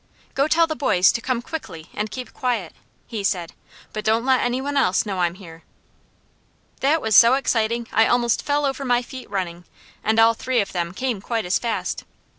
"Go tell the boys to come quickly and keep quiet," he said. "But don't let any one else know I'm here." That was so exciting I almost fell over my feet running, and all three of them came quite as fast.